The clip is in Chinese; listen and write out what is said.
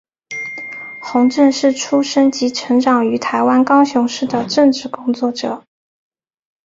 洪正是出生及成长于台湾高雄市的政治工作者。